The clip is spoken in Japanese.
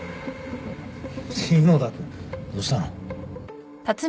篠田君どうしたの？